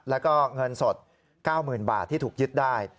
แล้วก็เงินสด๙๐๐๐บาทที่ถูกยึดได้